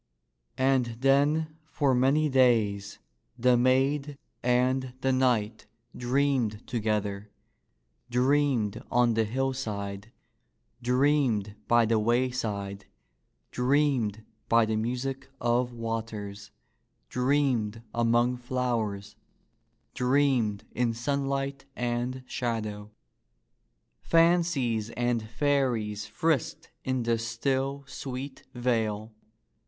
And then for many days the maid and the knight dreamed together — dreamed on the hillside, dreamed by the wayside, dreamed by the music of waters, dreamed among flowers, dreamed in sunlight and shadow. Fan cies and fairies frisked in the still, sweet vale.